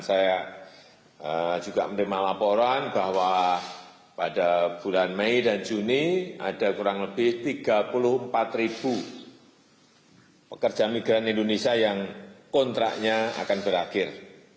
saya juga menerima laporan bahwa pada bulan mei dan juni ada kurang lebih tiga puluh empat ribu pekerja migran indonesia yang kontraknya akan berakhir